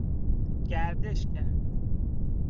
گردش کرد